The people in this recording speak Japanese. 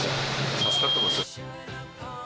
助かってます。